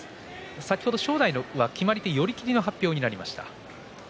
先ほどの正代の決まり手は寄り切りの発表になりました。